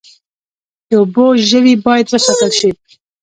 د اوبو ژوي باید وساتل شي